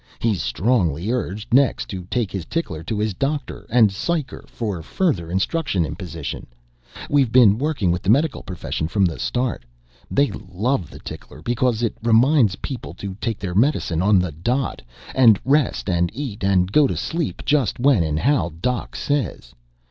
He's strongly urged next to take his tickler to his doctor and psycher for further instruction imposition. We've been working with the medical profession from the start. They love the tickler because it'll remind people to take their medicine on the dot ... and rest and eat and go to sleep just when and how doc says.